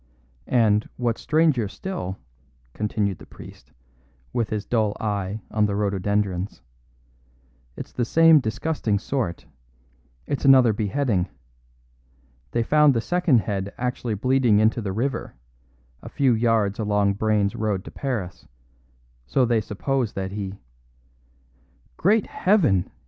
"And, what's stranger still," continued the priest, with his dull eye on the rhododendrons, "it's the same disgusting sort; it's another beheading. They found the second head actually bleeding into the river, a few yards along Brayne's road to Paris; so they suppose that he " "Great Heaven!"